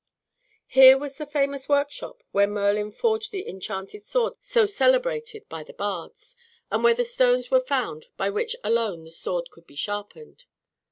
Here was the famous workshop where Merlin forged the enchanted sword so celebrated by the bards, and where the stones were found by which alone the sword could be sharpened.